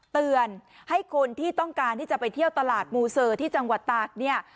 เตือนให้คนที่ต้องการที่จะไปเที่ยวตลาดมูเซอร์ที่จังหวัดตากเนี่ย